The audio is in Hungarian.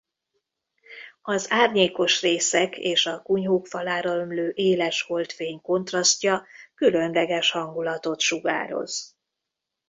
Az árnyékos részek és a kunyhók falára ömlő éles holdfény kontrasztja különleges hangulatot sugároz.